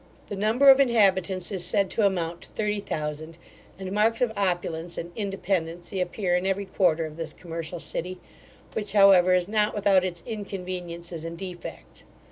The number of inhabitants is said to amount to thirty thousand; and marks of opulence and independency appear in every quarter of this commercial city, which, however, is not without its inconveniences and defects.